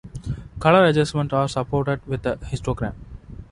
Color adjustments are supported with a histogram.